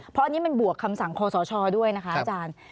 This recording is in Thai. เพราะอันนี้มันบวกคำสั่งคอสชด้วยนะคะอาจารย์